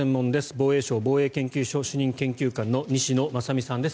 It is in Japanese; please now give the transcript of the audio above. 防衛省防衛研究所主任研究官の西野正巳さんです。